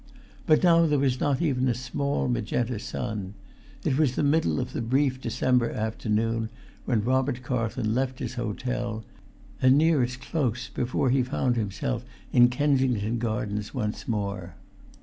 But now there was not even a small magenta sun; it was the[Pg 376] middle of the brief December afternoon when Robert Carlton left his hotel; and near its close before he found himself in Kensington Gardens once more.